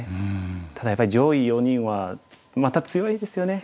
ただやっぱり上位４人はまた強いですよね。